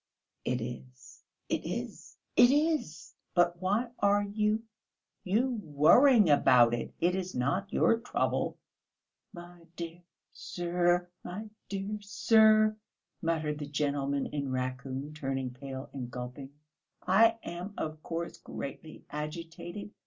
"It is, it is, it is! But why are you you worrying about it? It is not your trouble!" "My dear sir, my dear sir," muttered the gentleman in raccoon, turning pale and gulping, "I am, of course, greatly agitated